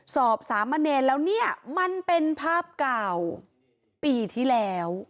สามเณรแล้วเนี่ยมันเป็นภาพเก่าปีที่แล้ว